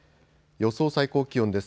予想最高気温です。